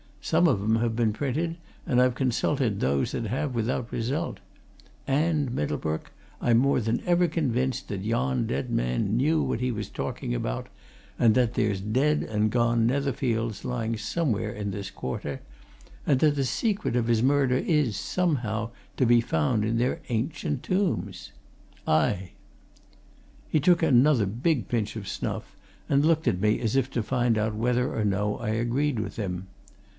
"Some of 'em have been printed, and I've consulted those that have, without result. And, Middlebrook, I'm more than ever convinced that yon dead man knew what he was talking about, and that there's dead and gone Netherfields lying somewhere in this quarter, and that the secret of his murder is, somehow, to be found in their ancient tombs! Aye!" He took another big pinch of snuff, and looked at me as if to find out whether or no I agreed with him.